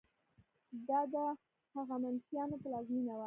دا د هخامنشیانو پلازمینه وه.